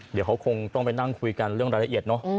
เดี๋ยวเขาคงต้องไปนั่งคุยกันเรื่องรายละเอียดเนอะ